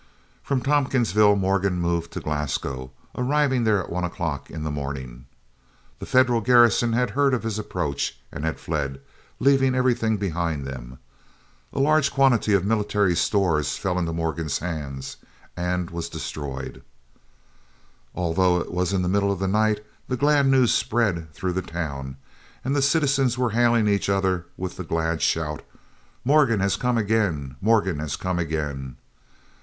From Tompkinsville Morgan moved to Glasgow, arriving there at one o'clock in the morning. The Federal garrison had heard of his approach, and had fled, leaving everything behind them. A large quantity of military stores fell into Morgan's hands, and was destroyed. Although it was in the middle of the night, the glad news spread through the town, and the citizens were hailing each other with the glad shout, "Morgan has come again! Morgan has come again!"